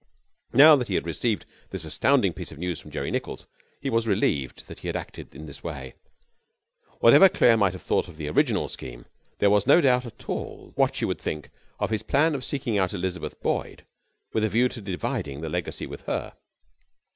Now that he had received this astounding piece of news from Jerry Nichols he was relieved that he had acted in this way. Whatever Claire might have thought of the original scheme, there was no doubt at all what she would think of his plan of seeking out Elizabeth Boyd with a view to dividing the legacy with her.